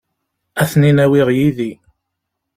Ad ten-in-awiɣ yid-i.